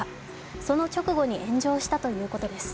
その直後に炎上したということです。